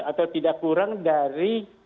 atau tidak kurang dari dua ratus